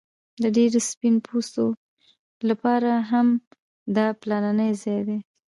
د ډیرو سپین پوستو لپاره هم دا پلرنی ځای دی